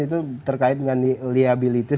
itu terkait dengan liabilitis